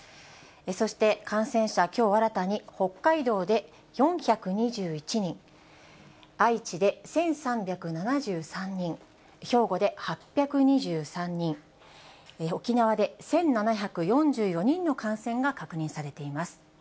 そして感染者、きょう新たに北海道で４２１人、愛知で１３７３人、兵庫で８２３人、沖縄で１７４４人の感染が確認されています。